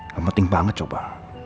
gak penting banget coba